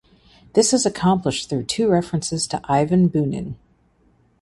This is accomplished through two references to Ivan Bunin.